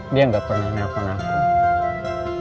dia gak pernah nelfon aku